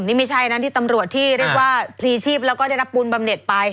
นี่ไม่ใช่นะที่ตำรวจที่เรียกว่าพลีชีพแล้วก็ได้รับปูนบำเน็ตไป